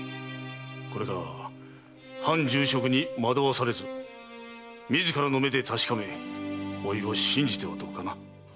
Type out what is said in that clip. これからは藩重職に惑わされず自らの目で確かめ甥を信じてはどうかな？